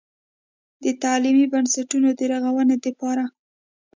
د تعليمي بنسټونو د رغونې دپاره